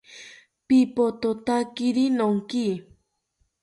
Pipothotakiri nonki